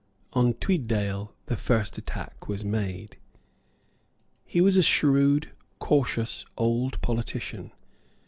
On Tweeddale the first attack was made. He was a shrewd, cautious, old politician.